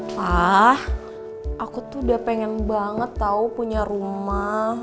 hah aku tuh udah pengen banget tau punya rumah